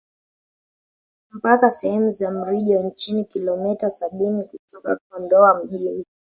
Mpaka sehemu za Mrijo Chini kilometa sabini kutoka Kondoa mjini